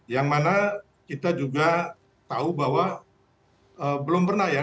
yang mana kita juga tahu bahwa belum pernah ya